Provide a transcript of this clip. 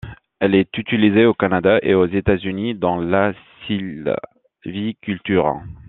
Elle est utilisée au Canada et aux États-Unis dans la sylviculture.